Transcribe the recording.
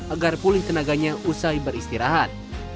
agar pulih tenaganya usai beristirahat